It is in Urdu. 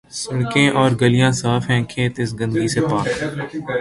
سڑکیں اورگلیاں صاف ہیں، کھیت اس گندگی سے پاک۔